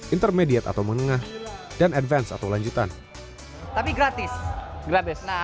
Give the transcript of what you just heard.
intermediate idle meoit mewad dan advance atau lanjutan daniko aheeumbling bastante rady sebesarnya